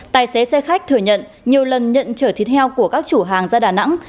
tài xế xe khách thừa nhận nhiều lần nhận chở thịt heo của các chủ hàng ra đà nẵng